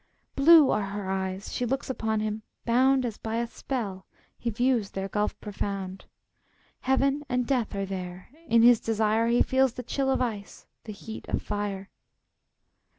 Blue are her eyes: she looks upon him bound, As by a spell, he views their gulf profound. Heaven and death are there: in his desire, He feels the chill of ice, the heat of fire.